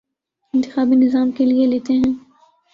انتخابی نظام کے لتے لیتے ہیں